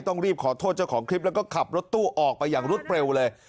ต้องรีบขอโทษเจ้าของคลิปแล้วก็ขับรถตู้ออกไปอย่างรวดเร็วเลย